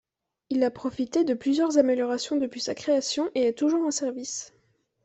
Il a profité de plusieurs améliorations depuis sa création et est toujours en service.